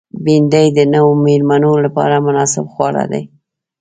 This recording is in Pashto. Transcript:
بېنډۍ د نوو مېلمنو لپاره مناسب خواړه دي